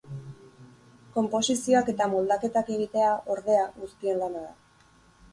Konposizioak eta moldaketak egitea, ordea, guztien lana da.